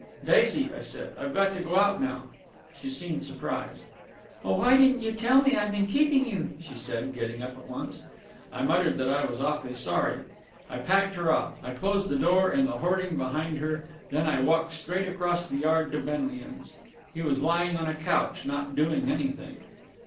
"Daisy," I said, "I've got to go out now." She seemed surprised. "Oh, why didn't you tell me I'd been keeping you!" she said, getting up at once. I muttered that I was awfully sorry.... I packed her off. I closed the door in the hoarding behind her. Then I walked straight across the yard to Benlian's. He was lying on a couch, not doing anything.